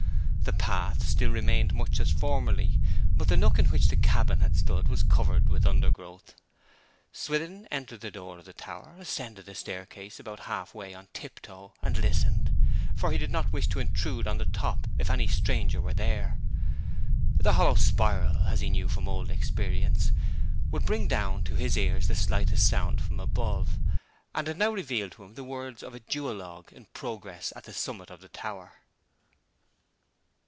The path still remained much as formerly, but the nook in which the cabin had stood was covered with undergrowth. Swithin entered the door of the tower, ascended the staircase about half way on tip toe, and listened, for he did not wish to intrude on the top if any stranger were there. The hollow spiral, as he knew from old experience, would bring down to his ears the slightest sound from above; and it now revealed to him the words of a duologue in progress at the summit of the tower.